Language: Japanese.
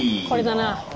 これだな。